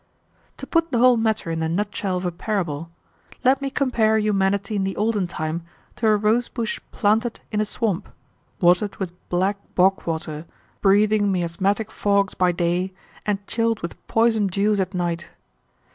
"To put the whole matter in the nutshell of a parable, let me compare humanity in the olden time to a rosebush planted in a swamp, watered with black bog water, breathing miasmatic fogs by day, and chilled with poison dews at night.